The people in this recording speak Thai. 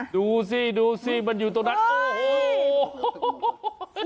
ดูสิมันอยู่ตรงนั้นโอ้โฮ